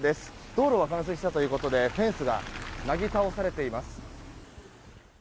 道路が冠水したということでフェンスがなぎ倒されています。